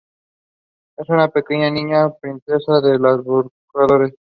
Es una pequeña niña, princesa de los Buscadores.